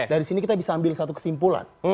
dari sini kita bisa ambil satu kesimpulan